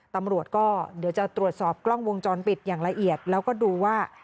ตำรวจก็เดี๋ยวจะตรวจสอบกล้องวงจรปิดอย่างละเอียดแล้วก็ดูว่า